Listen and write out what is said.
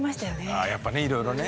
ああやっぱねいろいろね。